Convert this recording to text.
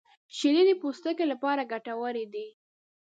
• شیدې د پوستکي لپاره ګټورې دي.